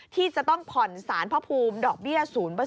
ที่จะต้องผ่อนสารพระภูมิดอกเบี้ย๐